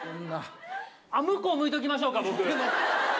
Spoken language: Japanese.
向こうむいときましょうか僕。